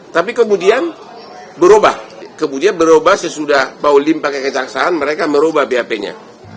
tapi kemudian berubah kemudian berubah sesudah baulim pakai kejaksaan mereka merubah bap nya